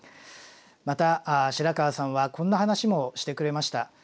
また白川さんはこんな話もしてくれました。